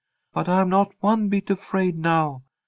But I'm not one bit afraid now.